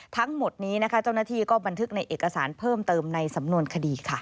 ทั้งหมดนี้นะคะเจ้าหน้าที่ก็บันทึกในเอกสารเพิ่มเติมในสำนวนคดีค่ะ